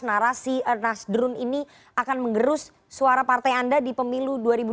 narasi nasdrun ini akan mengerus suara partai anda di pemilu dua ribu dua puluh